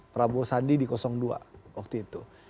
prabowo sandi di dua waktu itu